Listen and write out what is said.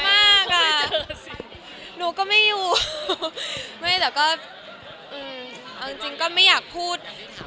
มากาหนูก็ไม่อยู่แต่แบบเอาจริงก็ไม่อยากพูด